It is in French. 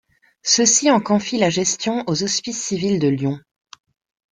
Ceux-ci en confient la gestion aux Hospices civils de Lyon.